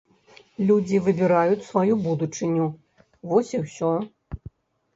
Людзі выбіраюць сваю будучыню, вось і ўсё!